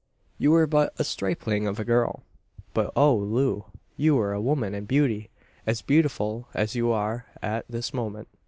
"You were but a stripling of a girl; but oh, Loo, you were a woman in beauty as beautiful as you are at this moment.